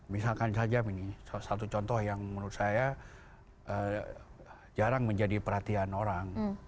misalkan saja satu contoh yang menurut saya jarang menjadi perhatian orang